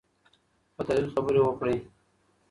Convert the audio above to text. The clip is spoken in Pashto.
په دلیل خبرې وکړئ.